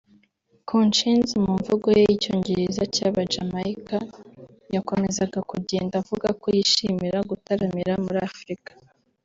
Konshens mu mvugo ye y'icyongereza cy'aba Jamaica yakomezaga kugenda avuga ko yishimira gutaramira muri Afrika